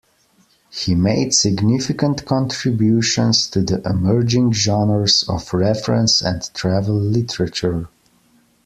He made significant contributions to the emerging genres of reference and travel literature.